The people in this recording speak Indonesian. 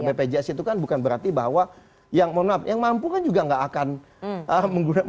bpjs itu kan bukan berarti bahwa yang mohon maaf yang mampu kan juga nggak akan menggunakan